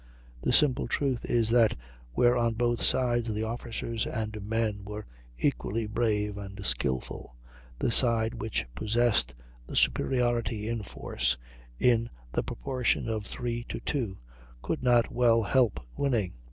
The simple truth is, that, where on both sides the officers and men were equally brave and skilful, the side which possessed the superiority in force, in the proportion of three to two, could not well help winning.